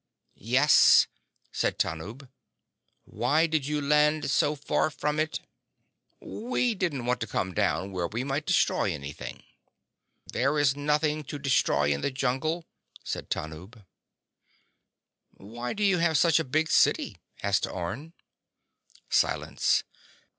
"Yes," said Tanub. "Why did you land so far from it?" "We didn't want to come down where we might destroy anything." "There is nothing to destroy in the jungle," said Tanub. "Why do you have such a big city?" asked Orne. Silence.